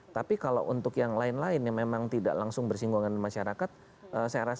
tapi kalau untuk yang lain lain yang memang tidak langsung bersinggungan dengan masyarakat